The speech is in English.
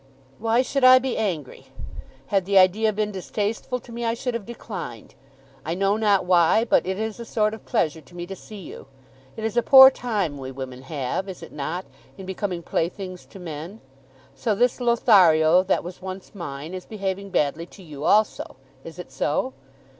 "Why should I be angry? Had the idea been distasteful to me I should have declined. I know not why, but it is a sort of pleasure to me to see you. It is a poor time we women have, is it not, in becoming playthings to men? So this Lothario that was once mine, is behaving badly to you also. Is it so?